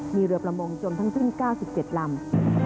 มีเรือประมงจมทั้งสิ้น๙๗ลำ